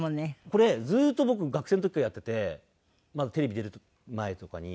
これずっと僕学生の時からやっててまだテレビ出る前とかに。